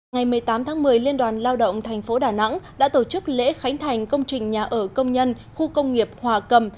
ngày một mươi tám tháng một mươi liên đoàn lao động tp đà nẵng đã tổ chức lễ khánh thành công trình nhà ở công nhân khu công nghiệp hòa cầm